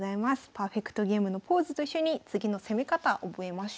パーフェクトゲームのポーズと一緒に次の攻め方覚えましょう。